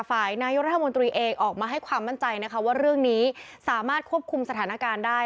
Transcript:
นายกรัฐมนตรีเองออกมาให้ความมั่นใจนะคะว่าเรื่องนี้สามารถควบคุมสถานการณ์ได้